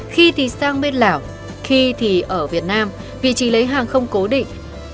khi thì sang bên lào khi thì ở việt nam vị trí lấy hàng không cố định